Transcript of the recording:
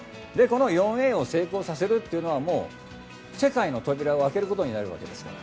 この４Ａを成功させるというのは世界の扉を開けることになります。